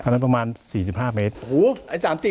โอเคดีครับดี